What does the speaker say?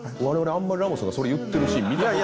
あんまりラモスさんがそれ言ってるシーン。